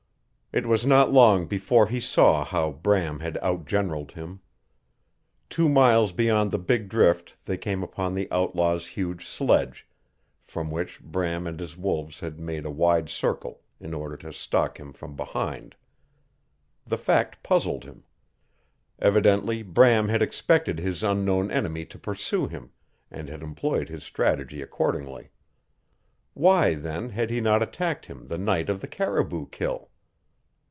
It was not long before he saw how Bram had out generaled him. Two miles beyond the big drift they came upon the outlaw's huge sledge, from which Bram and his wolves had made a wide circle in order to stalk him from behind. The fact puzzled him. Evidently Bram had expected his unknown enemy to pursue him, and had employed his strategy accordingly. Why, then, had he not attacked him the night of the caribou kill?